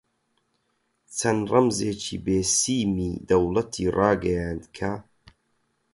چەند ڕەمزێکی بێسیمی دەوڵەتی ڕاگەیاند کە: